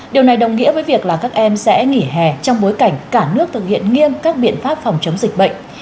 điều này đồng nghĩa với việc là các em sẽ nghỉ hè trong bối cảnh cả nước thực hiện nghiêm các biện pháp phòng chống dịch bệnh